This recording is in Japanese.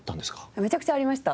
めちゃくちゃありました。